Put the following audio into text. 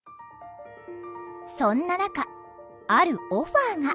そんな中あるオファーが。